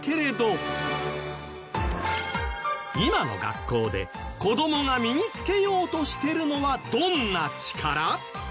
今の学校で子どもが身につけようとしてるのはどんな力？